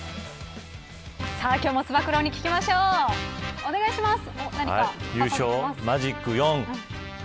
今日もつば九郎に聞きましょうお願いします。